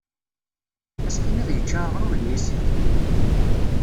Ad s-tiniḍ yečča aɣrum n yisiḍ!